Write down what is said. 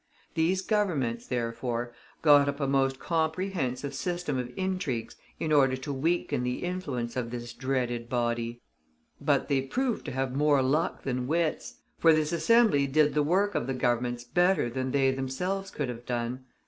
These Governments, therefore, got up a most comprehensive system of intrigues in order to weaken the influence of this dreaded body; but they proved to have more luck than wits, for this Assembly did the work of the Governments better than they themselves could have done.